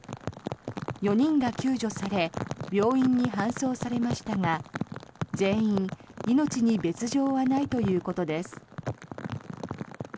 ４人が救助され病院に搬送されましたが全員、命に別条はないということです。